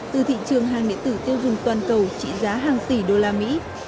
từ thị trường hàng điện tử tiêu dùng toàn cầu trị giá hàng tỷ đô la mỹ